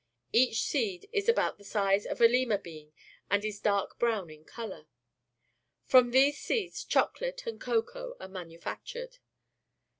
Each seed is about the size of a Uma bean and is dark brown in colour. From these seeds chocolate and cocoa, are manufactured.